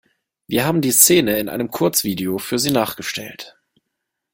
Wir haben die Szene in einem Kurzvideo für Sie nachgestellt.